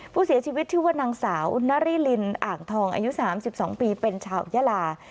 ผู้เสียชีวิตชื่อว่านางสาวนาริลินอ่างทองอายุ๓๒ปีเป็นชาวยาลา